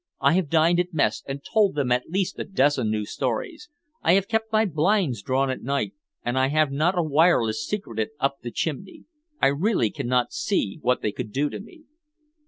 I have dined at Mess and told them at least a dozen new stories. I have kept my blinds drawn at night, and I have not a wireless secreted up the chimney. I really cannot see what they could do to me."